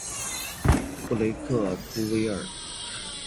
布雷克图维尔。